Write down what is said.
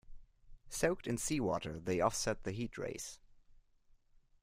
Soaked in seawater they offset the heat rays.